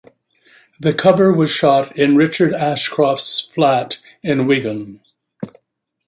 The cover was shot in Richard Ashcroft's flat in Wigan.